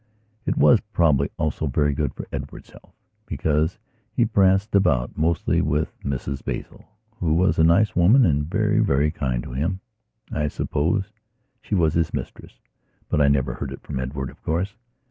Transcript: It was probably also very good for Edward's health, because he pranced about mostly with Mrs Basil, who was a nice woman and very, very kind to him. I suppose she was his mistress, but I never heard it from Edward, of course.